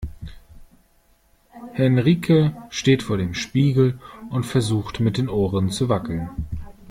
Henrike steht vor dem Spiegel und versucht mit den Ohren zu wackeln.